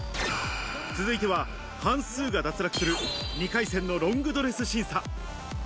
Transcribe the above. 続いては半数が脱落する２回戦のロングドレス審査。